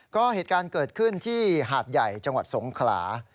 ก็เหตุการณ์เกิดขึ้นที่หาดใหญ่จังหวัดสงขลา